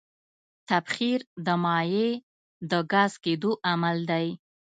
تبخیر د مایع د ګاز کېدو عمل دی.